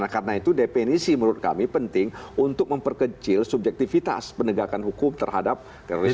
karena itu definisi menurut kami penting untuk memperkecil subjektivitas penegakan hukum terhadap terorisme